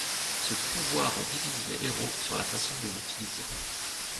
Ce pouvoir divise les héros sur la façon de l'utiliser.